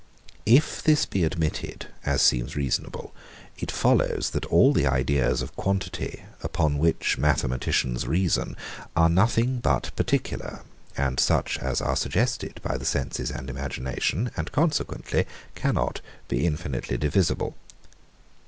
If this be admitted (as seems reasonable) it follows that all the ideas of quantity, upon which mathematicians reason, are nothing but particular, and such as are suggested by the senses and imagination, and consequently, cannot be infinitely divisible.